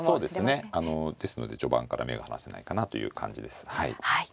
ですので序盤から目が離せないかなという感じですはい。